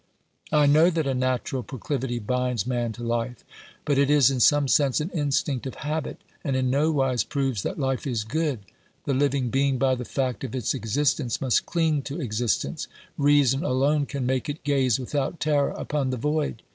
I know that a natural proclivity binds man to life ; but it is in some sense an instinct of habit and in nowise proves that life is good. The living being, by the fact of its existence, must cling to existence; reason alone can make it gaze without terror upon the void.